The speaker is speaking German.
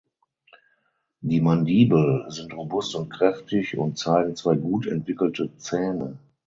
Die Mandibel sind robust und kräftig und zeigen zwei gut entwickelte Zähne.